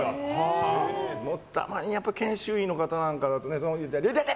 たまに研修医の方なんかだといてて！